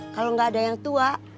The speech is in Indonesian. kalau nggak ada yang tua